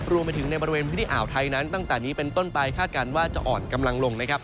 รวมไปถึงในบริเวณพื้นที่อ่าวไทยนั้นตั้งแต่นี้เป็นต้นไปคาดการณ์ว่าจะอ่อนกำลังลงนะครับ